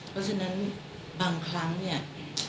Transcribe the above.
เพราะฉะนั้นบางครั้งเนี่ย